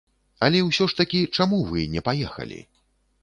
Але ўсё ж такі, чаму вы не паехалі?